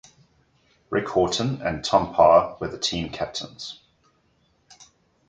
Rick Horton and Tom Parr were the team captains.